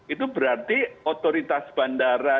itu berarti otoritas bandara